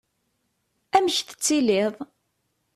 Amek tettiliḍ?